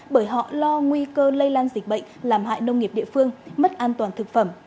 bởi họ lo nguy cơ lây lan dịch bệnh làm hại nông nghiệp địa phương mất an toàn thực phẩm